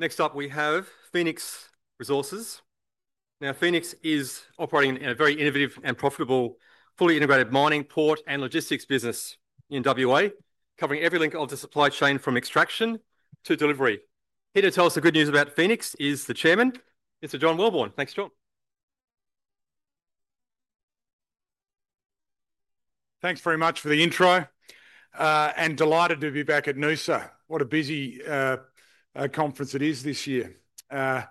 Next up, we have Fenix Resources. Now, Fenix is operating in a very innovative and profitable, fully integrated mining, port, and logistics business in WA, covering every link of the supply chain from extraction to delivery. Here to tell us the good news about Fenix is the Chairman, Mr. John Welborn. Thanks, John. Thanks very much for the intro. I'm delighted to be back at Noosa. What a busy conference it is this year. The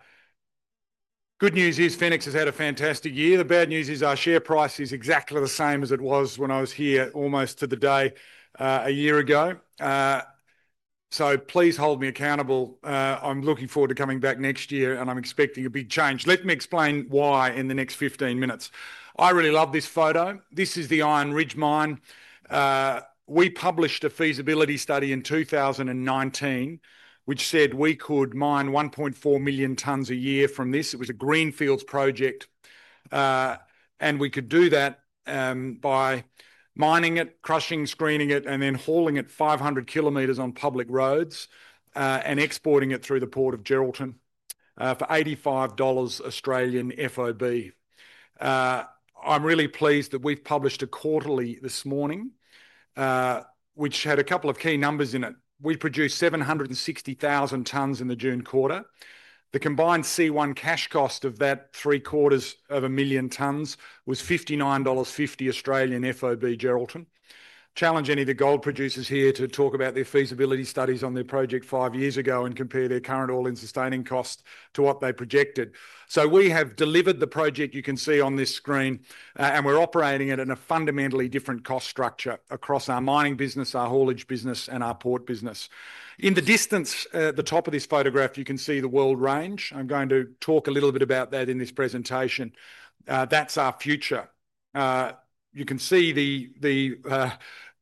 good news is Fenix Resources has had a fantastic year. The bad news is our share price is exactly the same as it was when I was here almost to the day, a year ago. Please hold me accountable. I'm looking forward to coming back next year, and I'm expecting a big change. Let me explain why in the next 15 minutes. I really love this photo. This is the Iron Ridge Iron Ore Mine. We published a feasibility study in 2019, which said we could mine 1.4 million tons a year from this. It was a greenfields project, and we could do that by mining it, crushing, screening it, and then hauling it 500 km on public roads, and exporting it through the port of Geraldton, for $85 Australian FOB. I'm really pleased that we published a quarterly this morning, which had a couple of key numbers in it. We produced 760,000 tons in the June quarter. The combined C1 cash cost of that three quarters of a million tons was $59.50 Australian FOB Geraldton. I challenge any of the gold producers here to talk about their feasibility studies on their project five years ago and compare their current all-in sustaining cost to what they projected. We have delivered the project you can see on this screen, and we're operating at a fundamentally different cost structure across our mining business, our haulage business, and our port business. In the distance at the top of this photograph, you can see the World Range. I'm going to talk a little bit about that in this presentation. That's our future. You can see the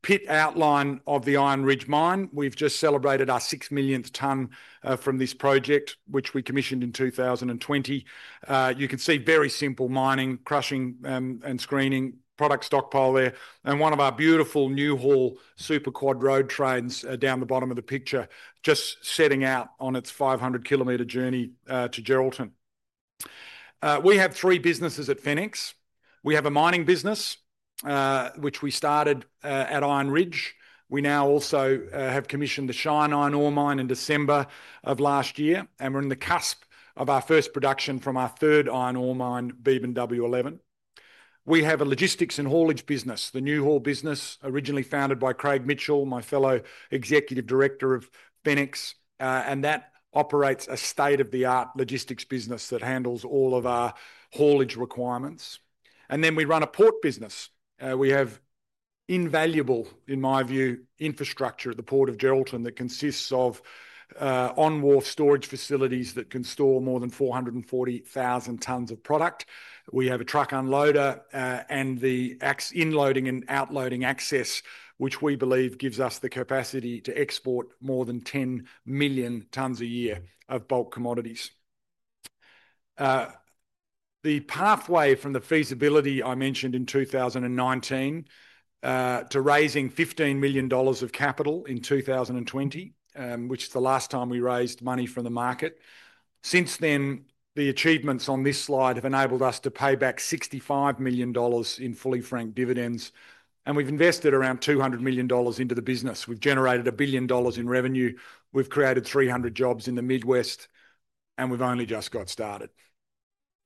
pit outline of the Iron Ridge Iron Ore Mine. We've just celebrated our six millionth ton from this project, which we commissioned in 2020. You can see very simple mining, crushing, and screening product stockpile there. One of our beautiful new haul super quad road trains is down the bottom of the picture, just setting out on its 500 km journey to Geraldton. We have three businesses at Fenix Resources. We have a mining business, which we started at Iron Ridge. We now also have commissioned the Shine Iron Ore Mine in December of last year, and we're on the cusp of our first production from our third iron ore mine, Beebyn W11. We have a logistics and haulage business, the Fenix-Newhaul business, originally founded by Craig Mitchell, my fellow Executive Director of Fenix Resources, and that operates a state-of-the-art logistics business that handles all of our haulage requirements. We run a port business. We have invaluable, in my view, infrastructure at the port of Geraldton that consists of on-wharf storage facilities that can store more than 440,000 tons of product. We have a truck unloader and the inloading and outloading access, which we believe gives us the capacity to export more than 10 million tons a year of bulk commodities. The pathway from the feasibility I mentioned in 2019 to raising $15 million of capital in 2020, which is the last time we raised money from the market. Since then, the achievements on this slide have enabled us to pay back $65 million in fully franked dividends, and we've invested around $200 million into the business. We've generated $1 billion in revenue. We've created 300 jobs in the Midwest, and we've only just got started.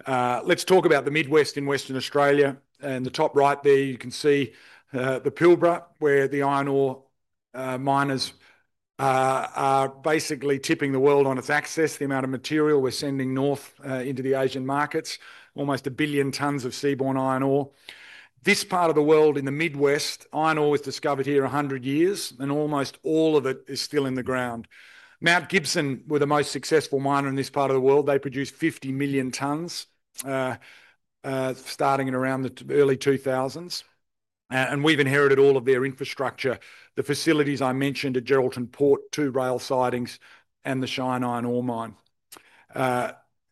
Let's talk about the Midwest in Western Australia. In the top right there, you can see the Pilbara, where the iron ore miners are basically tipping the world on its axis. The amount of material we're sending north into the Asian markets, almost 1 billion tons of seaborne iron ore. This part of the world in the Midwest, iron ore was discovered here 100 years ago, and almost all of it is still in the ground. Mount Gibson were the most successful miner in this part of the world. They produced 50 million tons, starting in around the early 2000s. We've inherited all of their infrastructure, the facilities I mentioned at Geraldton Port, two rail sidings, and the Shine Iron Ore Mine.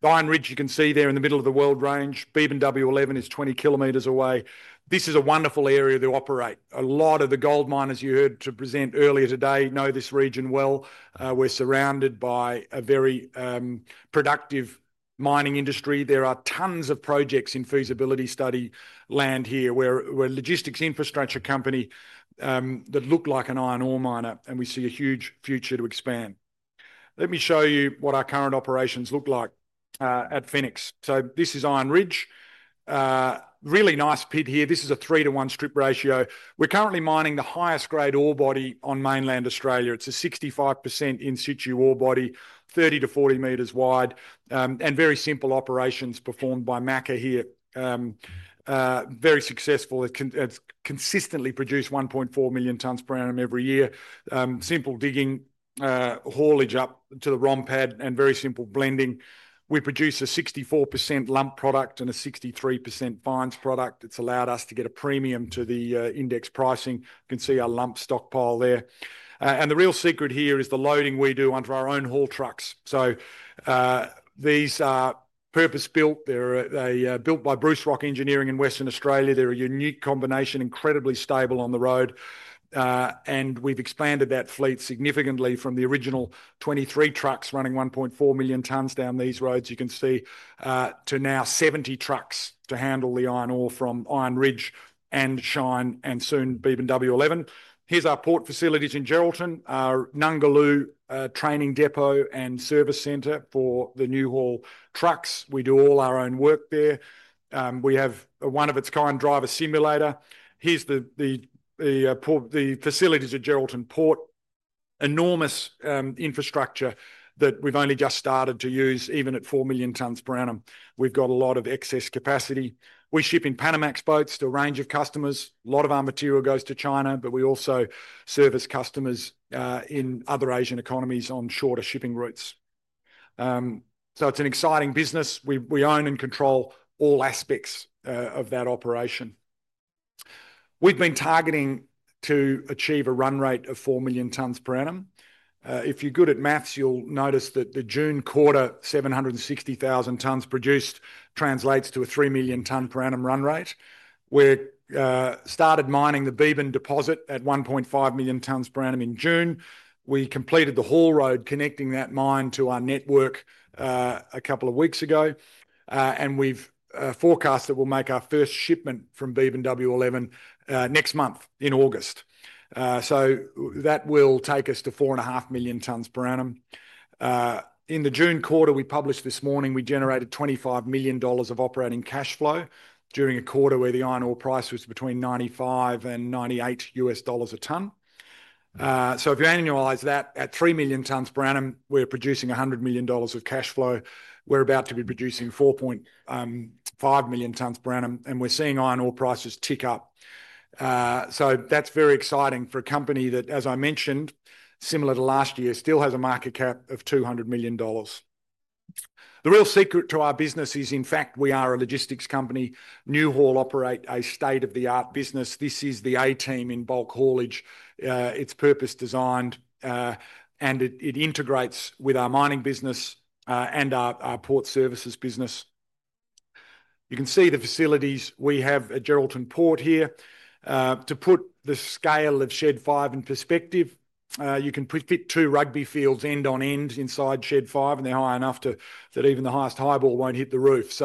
Iron Ridge, you can see there in the middle of the World Range. Beebyn-W11 is 20 km away. This is a wonderful area to operate. A lot of the gold miners you heard present earlier today know this region well. We're surrounded by a very productive mining industry. There are tons of projects in feasibility study land here. We're a logistics infrastructure company that look like an iron ore miner, and we see a huge future to expand. Let me show you what our current operations look like at Fenix. This is Iron Ridge. Really nice pit here. This is a three-to-one strip ratio. We're currently mining the highest grade ore body on mainland Australia. It's a 65% in situ ore body, 30 to 40 meters wide, and very simple operations performed by MACA here. Very successful. It's consistently produced 1.4 million tons per annum every year. Simple digging haulage up to the ROM pad and very simple blending. We produce a 64% lump product and a 63% fines product. It's allowed us to get a premium to the index pricing. You can see our lump stockpile there. The real secret here is the loading we do onto our own haul trucks. These are purpose built. They're built by Bruce Rock Engineering in Western Australia. They're a unique combination, incredibly stable on the road. We've expanded that fleet significantly from the original 23 trucks running 1.4 million tons down these roads, you can see, to now 70 trucks to handle the iron ore from Iron Ridge and Shine and soon Beebyn-W11. Here's our port facilities in Geraldton, our Nungalu training depot and service center for the Fenix-Newhaul trucks. We do all our own work there. We have one of its kind driver simulator. Here are the facilities at Geraldton Port. Enormous infrastructure that we've only just started to use, even at 4 million tons per annum. We've got a lot of excess capacity. We're shipping Panamax boats to a range of customers. A lot of our material goes to China, but we also service customers in other Asian economies on shorter shipping routes. It's an exciting business. We own and control all aspects of that operation. We've been targeting to achieve a run rate of 4 million tons per annum. If you're good at maths, you'll notice that the June quarter, 760,000 tons produced translates to a 3 million ton per annum run rate. We started mining the Beebyn deposit at 1.5 million tons per annum in June. We completed the haul road connecting that mine to our network a couple of weeks ago. We've forecast that we'll make our first shipment from Beebyn-W11 next month in August. That will take us to 4.5 million tons per annum. In the June quarter we published this morning, we generated $25 million of operating cash flow during a quarter where the iron ore price was between $95 and $98 USD a ton. If you annualize that at 3 million tons per annum, we're producing $100 million of cash flow. We're about to be producing 4.5 million tons per annum, and we're seeing iron ore prices tick up. That's very exciting for a company that, as I mentioned, similar to last year, still has a market cap of $200 million. The real secret to our business is, in fact, we are a logistics company. Fenix-Newhaul operates a state-of-the-art business. This is the A-team in bulk haulage. It's purpose designed, and it integrates with our mining business and our port services business. You can see the facilities we have at Geraldton Port here. To put the scale of Shed 5 in perspective, you can fit two rugby fields end-on-end inside Shed 5, and they're high enough that even the highest highball won't hit the roof.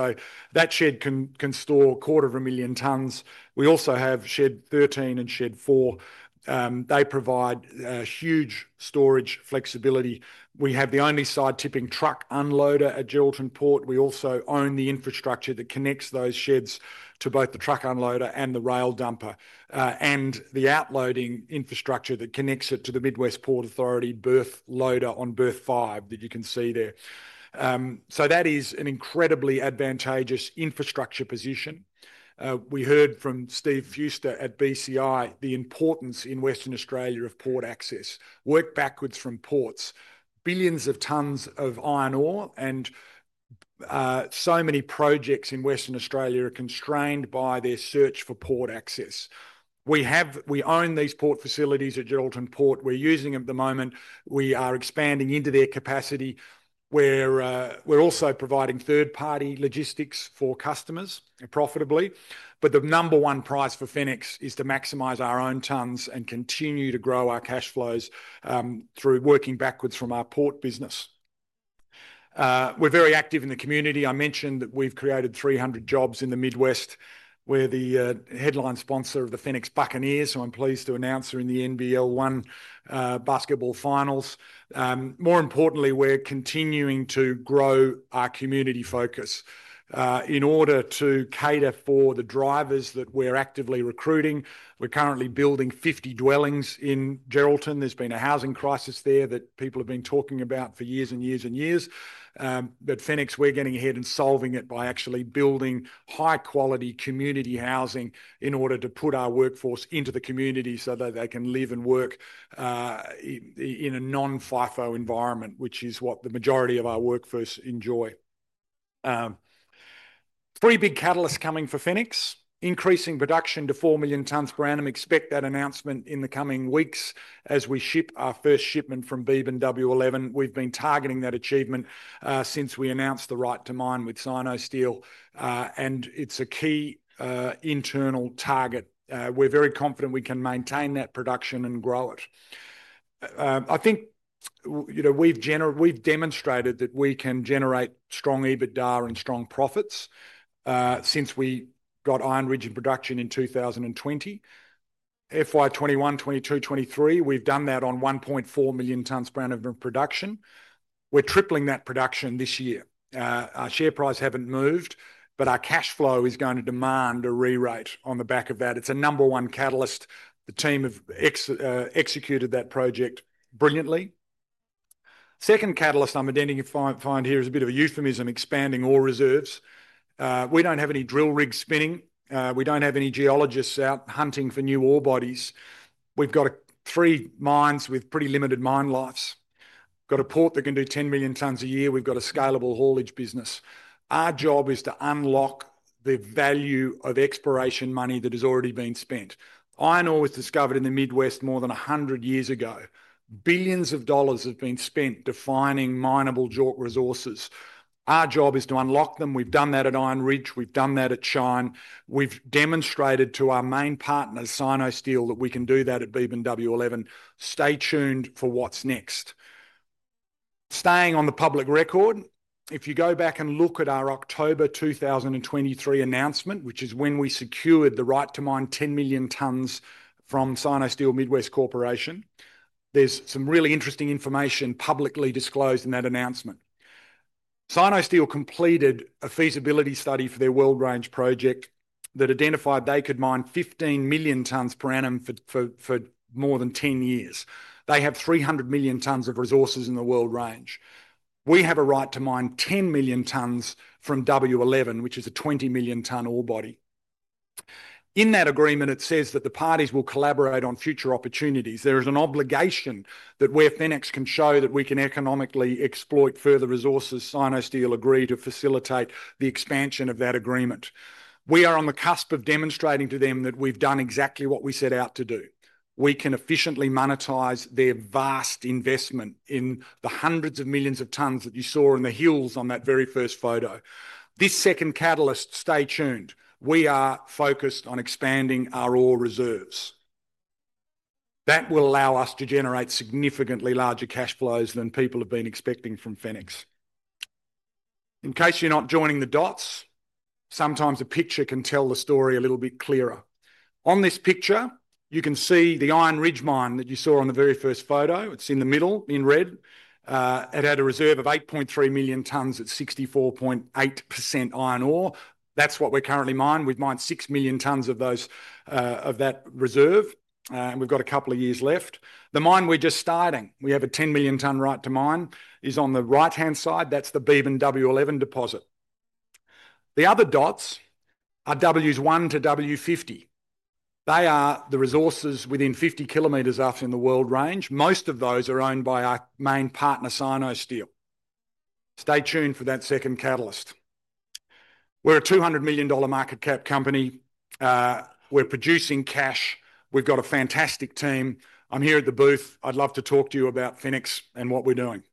That shed can store a quarter of a million tons. We also have Shed 13 and Shed 4. They provide huge storage flexibility. We have the only side-tipping truck unloader at Geraldton Port. We also own the infrastructure that connects those sheds to both the truck unloader and the rail dumper, and the outloading infrastructure that connects it to the Mid West Ports Authority berth loader on berth 5 that you can see there. That is an incredibly advantageous infrastructure position. We heard from Steve Fuster at BCI the importance in Western Australia of port access. Work backwards from ports. Billions of tons of iron ore and so many projects in Western Australia are constrained by their search for port access. We have, we own these port facilities at Geraldton Port. We're using them at the moment. We are expanding into their capacity. We're also providing third-party logistics for customers profitably. The number one prize for Fenix Resources is to maximize our own tons and continue to grow our cash flows through working backwards from our port business. We're very active in the community. I mentioned that we've created 300 jobs in the Midwest region. We're the headline sponsor of the Fenix Buccaneers, so I'm pleased to announce we're in the NBL1 basketball finals. More importantly, we're continuing to grow our community focus in order to cater for the drivers that we're actively recruiting. We're currently building 50 dwellings in Geraldton. There's been a housing crisis there that people have been talking about for years and years and years. Fenix Resources, we're getting ahead and solving it by actually building high-quality community housing in order to put our workforce into the community so that they can live and work in a non-FIFO environment, which is what the majority of our workforce enjoy. Three big catalysts coming for Fenix Resources. Increasing production to 4 million tons per annum. Expect that announcement in the coming weeks as we ship our first shipment from Beebyn-W11. We've been targeting that achievement since we announced the right to mine with Sinosteel Midwest Corporation, and it's a key internal target. We're very confident we can maintain that production and grow it. I think we've demonstrated that we can generate strong EBITDA and strong profits since we got Iron Ridge in production in 2020. FY 2021, FY 2022, FY 2023, we've done that on 1.4 million tons per annum of production. We're tripling that production this year. Our share price hasn't moved, but our cash flow is going to demand a re-rate on the back of that. It's a number one catalyst. The team has executed that project brilliantly. Second catalyst I'm intending to find here is a bit of a euphemism, expanding ore reserves. We don't have any drill rigs spinning. We don't have any geologists out hunting for new ore bodies. We've got three mines with pretty limited mine lifes. We've got a port that can do 10 million tons a year. We've got a scalable haulage business. Our job is to unlock the value of exploration money that has already been spent. Iron ore was discovered in the Midwest more than 100 years ago. Billions of dollars have been spent defining minable resources. Our job is to unlock them. We've done that at Iron Ridge. We've done that at Shine. We've demonstrated to our main partner, Sinosteel, that we can do that at Beebyn-W11. Stay tuned for what's next. Staying on the public record, if you go back and look at our October 2023 announcement, which is when we secured the right to mine 10 million tons from Sinosteel Midwest Corporation, there's some really interesting information publicly disclosed in that announcement. Sinosteel completed a feasibility study for their World Range project that identified they could mine 15 million tons per annum for more than 10 years. They have 300 million tons of resources in the World Range. We have a right to mine 10 million tons from W11, which is a 20 million ton ore body. In that agreement, it says that the parties will collaborate on future opportunities. There is an obligation that where Fenix can show that we can economically exploit further resources, Sinosteel agreed to facilitate the expansion of that agreement. We are on the cusp of demonstrating to them that we've done exactly what we set out to do. We can efficiently monetize their vast investment in the hundreds of millions of tons that you saw in the hills on that very first photo. This second catalyst, stay tuned. We are focused on expanding our ore reserves. That will allow us to generate significantly larger cash flows than people have been expecting from Fenix. In case you're not joining the dots, sometimes a picture can tell the story a little bit clearer. On this picture, you can see the Iron Ridge mine that you saw on the very first photo. It's in the middle in red. It had a reserve of 8.3 million tons at 64.8% iron ore. That's what we're currently mining. We've mined 6 million tons of that reserve, and we've got a couple of years left. The mine we're just starting, we have a 10 million ton right to mine, is on the right-hand side. That's the Beebyn W11 deposit. The other dots are W1 to W50. They are the resources within 50 km in the World Range. Most of those are owned by our main partner, Sinosteel Midwest Corporation. Stay tuned for that second catalyst. We're a $200 million market cap company. We're producing cash. We've got a fantastic team. I'm here at the booth. I'd love to talk to you about Fenix Resources and what we're doing.